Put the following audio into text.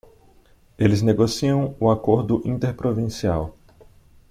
Eles negociam o Acordo Interprovincial.